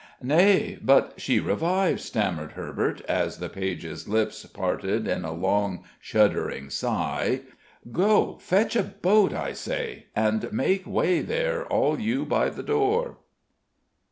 "Nay, but she revives," stammered Herbert, as the page's lips parted in a long, shuddering sigh. "Go, fetch a boat, I say! and make way there, all you by the door!"